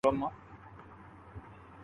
ہم کیوں مناتے ہیں